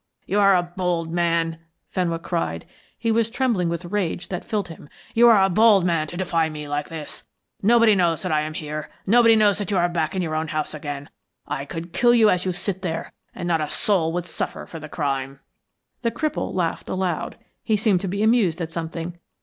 "You are a bold man," Fenwick cried. He was trembling with the rage that filled him. "You are a bold man to defy me like this. Nobody knows that I am here, nobody knows that you are back in your own house again. I could kill you as you sit there, and not a soul would suffer for the crime." The cripple laughed aloud; he seemed to be amused at something.